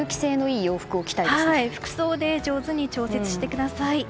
服装で上手に調節してください。